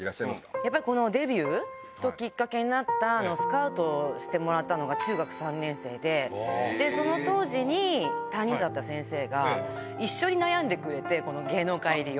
やっぱこのデビューのきっかけになった、スカウトしてもらったのが中学３年生で、その当時に担任だった先生が、一緒に悩んでくれて、この芸能界入りを。